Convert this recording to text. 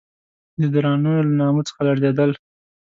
د درانیو له نامه څخه لړزېدل.